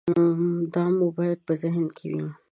دا مو باید په ذهن کې وي.